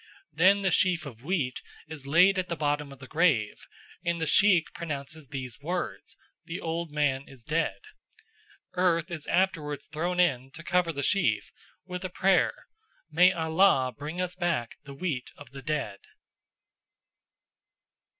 Then the sheaf of wheat is laid at the bottom of the grave, and the sheikh pronounces these words, "The old man is dead." Earth is afterwards thrown in to cover the sheaf, with a prayer, "May Allah bring us back the wheat of the dead."